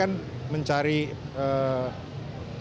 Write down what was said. untuk mencari uang elektronik